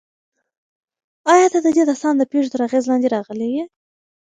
ایا ته د دې داستان د پېښو تر اغېز لاندې راغلی یې؟